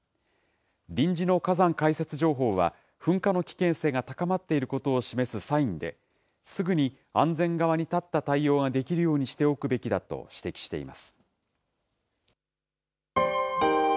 臨時の火山解説情報は、噴火の危険性が高まっていることを示すサインで、すぐに安全側に立った対応ができるようにしておくべきだと指摘しています。